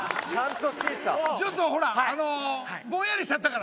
ちょっとほらぼんやりしちゃったから。